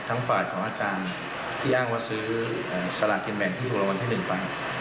ทั้งฝาดของอาจารย์ที่อ้างว่าซื้อสละทิมแมนที่ภูมิรวรรณที่๑ไป